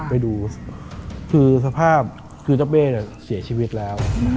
ไปดูคือสภาพคือเจ้าเบ้เสียชีวิตแล้ว